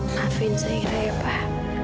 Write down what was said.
maafin zairah ya pak